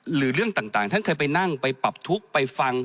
หรือเรื่องต่างท่านเคยไปนั่งไปปรับทุกข์ไปฟัง